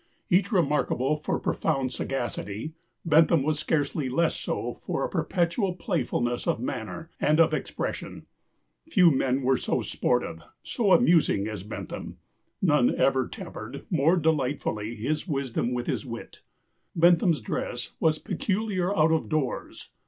Each remarkable for profound sagacity, Bentham was scarcely less so for a perpetual playfulness of manner and of expression. Few men were so sportive, so amusing, as Bentham, none ever tempered more delightfully his wisdom with his wit.... Bentham's dress was peculiar out of doors.